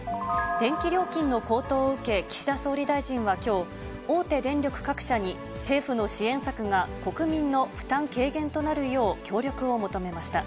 電気料金の高騰を受け、岸田総理大臣はきょう、大手電力各社に政府の支援策が国民の負担軽減となるよう協力を求めました。